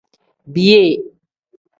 Biyee.